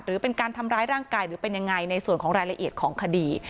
หรือเป็นการทำร้ายร่างกายหรือเป็นยังไงในส่วนของรายละเอียดของคดี